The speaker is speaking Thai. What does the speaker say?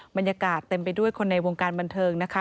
บรรยากาศเต็มไปด้วยคนในวงการบันเทิงนะคะ